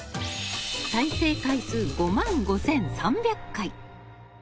再生回数５万５３００回。